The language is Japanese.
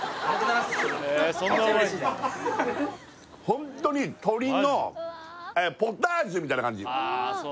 ホントに鶏のポタージュみたいな感じうますぎる！